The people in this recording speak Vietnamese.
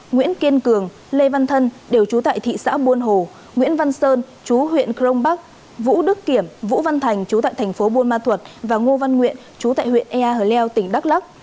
nguyễn kiên cường lê văn thân đều trú tại thị xã buôn hồ nguyễn văn sơn chú huyện crong bắc vũ đức kiểm vũ văn thành chú tại thành phố buôn ma thuật và ngô văn nguyện chú tại huyện ea hờ leo tỉnh đắk lắc